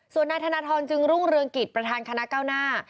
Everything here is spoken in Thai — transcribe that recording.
ส่วนนายธนทรจึงรุ่งเรืองกิจประธานคณะเก้าหน้า